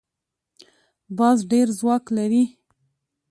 باز ډېر ځواک لري